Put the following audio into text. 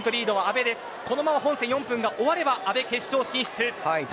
このまま本戦４分が終われば阿部決勝進出です。